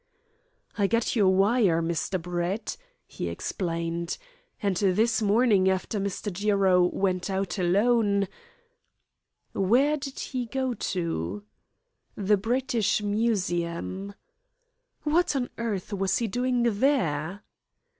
"I got your wire, Mr. Brett," he explained, "and this morning after Mr. Jiro went out alone " "Where did he go to?" "The British Museum." "What on earth was he doing there?"